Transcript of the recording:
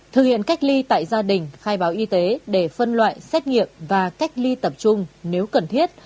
thực hiện cách ly tại gia đình khai báo y tế để phân loại xét nghiệm và cách ly tập trung nếu cần thiết